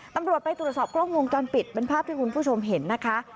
ตำรวจไปตรวจสอบกล้องวงจรปิดเป็นภาพที่คุณผู้ชมเห็นนะคะ